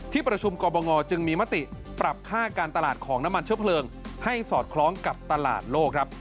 ประชุมกรบงจึงมีมติปรับค่าการตลาดของน้ำมันเชื้อเพลิงให้สอดคล้องกับตลาดโลกครับ